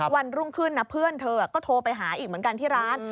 วันรุ่งขึ้นนะเพื่อนเธอก็โทรไปหาอีกเหมือนกันที่ร้าน